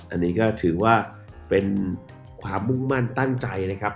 อันนี้ก็ถือว่าเป็นความมุ่งมั่นตั้งใจนะครับ